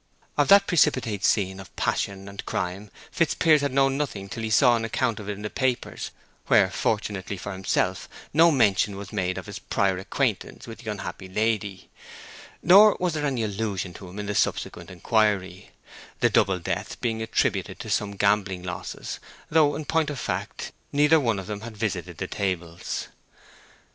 Of that precipitate scene of passion and crime Fitzpiers had known nothing till he saw an account of it in the papers, where, fortunately for himself, no mention was made of his prior acquaintance with the unhappy lady; nor was there any allusion to him in the subsequent inquiry, the double death being attributed to some gambling losses, though, in point of fact, neither one of them had visited the tables.